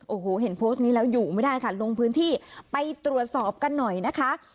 โอ้โหเห็นโพสต์นี้แล้วอยู่ไม่ได้ค่ะลงพื้นที่ไปตรวจสอบกันหน่อยนะคะ